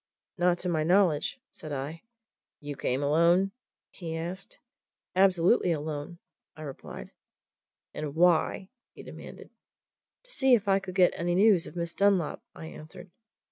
"Not to my knowledge!" said I. "You came alone?" he asked. "Absolutely alone," I replied. "And why?" he demanded. "To see if I could get any news of Miss Dunlop," I answered.